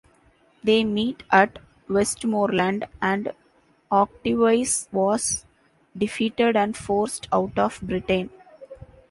They meet at Westmorland, and Octavius was defeated and forced out of Britain.